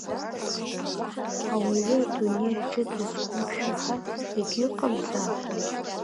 Ауаҩы адунеи аҿы дызқәымшәо ҳәа егьыҟамзаап…